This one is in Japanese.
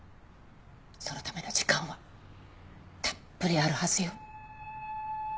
そのための時間はたっぷりあるはずよ。